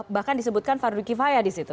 bahkan disebutkan fadli kifaya di situ